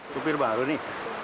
supir baru nih